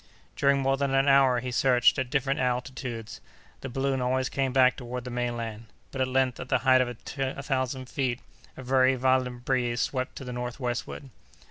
During more than an hour he searched at different altitudes: the balloon always came back toward the mainland. But at length, at the height of a thousand feet, a very violent breeze swept to the northwestward.